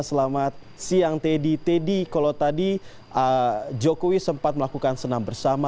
selamat siang teddy teddy kalau tadi jokowi sempat melakukan senam bersama